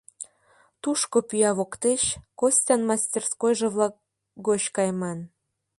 Тушко пӱя воктеч, Костян «мастерскойжо-влак» гоч кайман.